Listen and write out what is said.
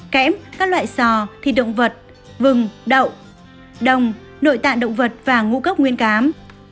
kẽm các loại sò thịt động vật vừng đậu đồng nội tạng động vật và ngũ cốc nguyên cám